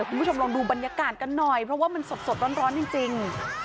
คุณผู้ชมลองดูบรรยากาศกันหน่อยเพราะว่ามันสดร้อนจริง